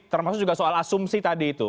termasuk juga soal asumsi tadi itu